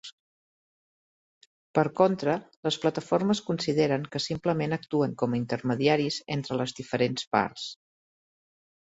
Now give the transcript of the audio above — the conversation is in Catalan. Per contra, les plataformes consideren que simplement actuen com a intermediaris entre les diferents parts.